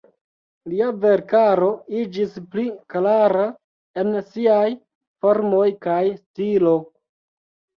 Lia verkaro iĝis pli klara en siaj formoj kaj stilo.